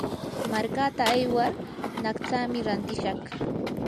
markaata aywar naqtsami rantishaq.